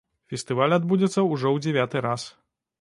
Фестываль адбудзецца ўжо ў дзявяты раз.